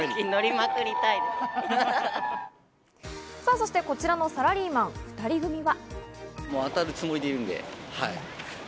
そしてこちらのサラリーマン２人組は。